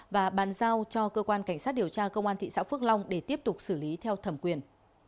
và bàn giao cho cơ quan cảnh sát điều tra công an thị xã phước long để tiếp tục xử lý theo thẩm quyền